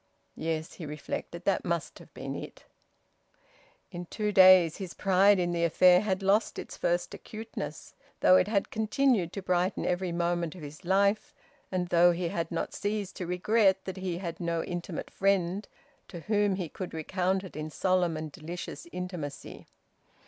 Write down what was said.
"Yes," he reflected, "that must have been it." In two days his pride in the affair had lost its first acuteness, though it had continued to brighten every moment of his life, and though he had not ceased to regret that he had no intimate friend to whom he could recount it in solemn and delicious intimacy.